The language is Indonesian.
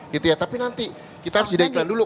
gitu ya tapi nanti kita harus jeda iklan dulu